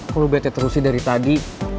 kok lo bete terus sih dari tadi